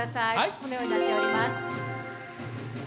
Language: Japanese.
このようになっております。